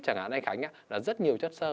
chẳng hạn anh khánh là rất nhiều chất sơ